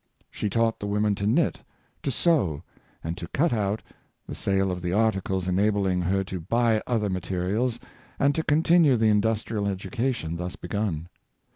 She taught the women to knit, to sew, and to cut out — the sale of the articles enabling her to buy other materials, and to continue the industrial educa tion thus begun.